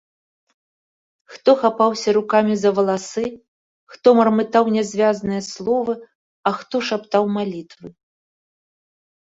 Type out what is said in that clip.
Хто хапаўся рукамі за валасы, хто мармытаў нязвязныя словы, а хто шаптаў малітвы.